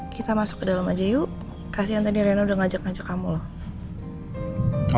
kita masuk ke dalam aja yuk kasian tadi reno udah ngajak ngajak kamu loh